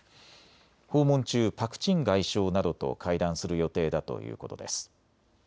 訪問中、パク・チン外相などと会談する予定だということです。